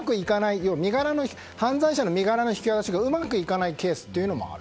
実は犯罪者の身柄の引き渡しがうまくいかないケースがある。